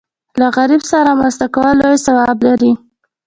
له غریب سره مرسته کول لوی ثواب لري.